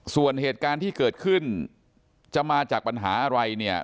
ส่วนเหตุการณ์ที่เกิดขึ้นจะมาจากปัญหาอะไรเนี่ย